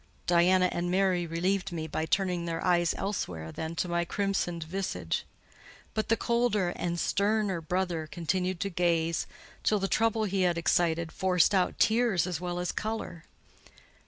Diana and Mary relieved me by turning their eyes elsewhere than to my crimsoned visage; but the colder and sterner brother continued to gaze, till the trouble he had excited forced out tears as well as colour.